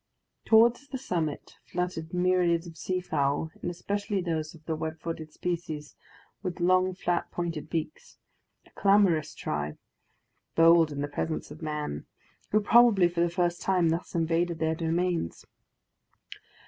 Towards the summit fluttered myriads of sea fowl, and especially those of the web footed species with long, flat, pointed beaks a clamorous tribe, bold in the presence of man, who probably for the first time thus invaded their domains.